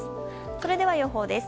それでは予報です。